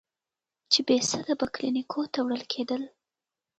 چې بېسده به کلينيکو ته وړل کېدل.